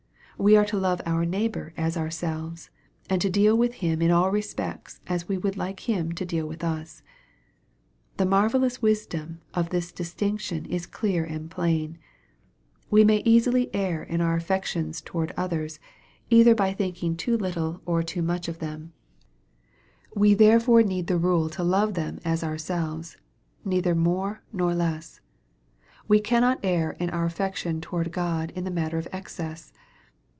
We are to lovo our neighbor as ourselves, and to deal with him in all respects as we would like him to deal with us. The marvellous wisdom of this distinction is clear and plain. We may easily err in our affections toward others, either by thinking too little or too much MAEK, CHAP. XII. 263 of them. We therefore need the rule to love them as ourselves, neither more nor less. We cannot err in our affection toward God in the matter of excess.